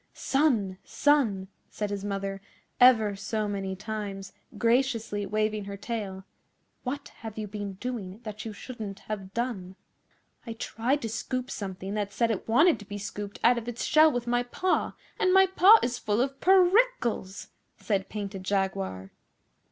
'Son, son!' said his mother ever so many times, graciously waving her tail, 'what have you been doing that you shouldn't have done?' 'I tried to scoop something that said it wanted to be scooped out of its shell with my paw, and my paw is full of per ickles,' said Painted Jaguar.